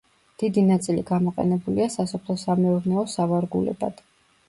დიდი ნაწილი გამოყენებულია სასოფლო-სამეურნეო სავარგულებად.